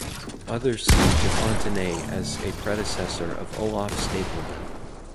Others see Defontenay as a predecessor of Olaf Stapledon.